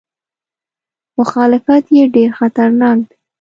مخالفت یې ډېر خطرناک دی.